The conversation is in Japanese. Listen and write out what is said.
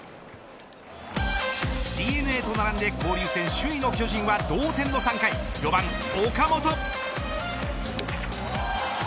ＤｅＮＡと並んで交流戦首位の巨人は同点の３回４番、岡本。